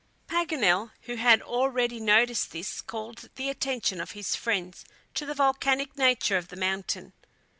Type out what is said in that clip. Paganel, who had already noticed this, called the attention of his friends to the volcanic nature of the mountain.